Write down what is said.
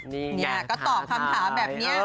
นี่ก็ตอบคำถามแบบนี้